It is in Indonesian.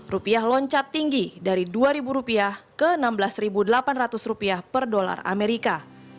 rupiah loncat tinggi dari rp dua ke rp enam belas delapan ratus per dolar amerika